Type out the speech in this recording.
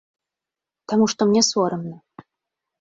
Таму што мне сорамна.